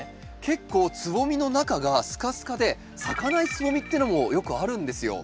結構つぼみの中がスカスカで咲かないつぼみっていうのもよくあるんですよ。